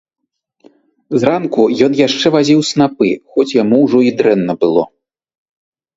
Зранку ён яшчэ вазіў снапы, хоць яму ўжо і дрэнна было.